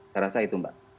saya rasa itu mbak